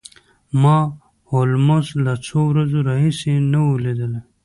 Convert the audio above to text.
ما هولمز له څو ورځو راهیسې نه و لیدلی